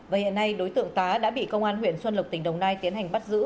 và hiện nay đối tượng tá đã bị công an huyện xuân lộc tỉnh đồng nai tiến hành bắt giữ